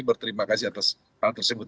berterima kasih atas hal tersebut